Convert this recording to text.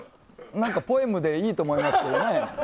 ポエムでいいと思いますけどね。